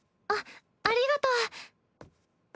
あっありがとう。